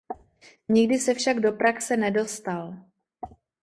Nikdy se však do praxe nedostal.